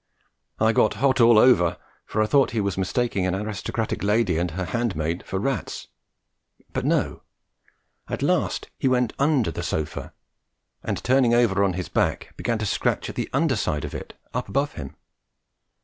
I got hot all over, for I thought he was mistaking an aristocratic lady and her hand maid for rats; but no, at last he went under the sofa, and turning over on his back began to scratch at the underside of it up above him.